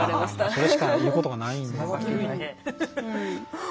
それしか言うことがないんですね。